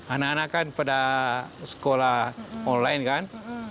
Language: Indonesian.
anak anak kan pada sekolah online kan